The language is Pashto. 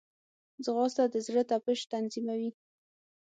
ځغاسته د زړه تپش تنظیموي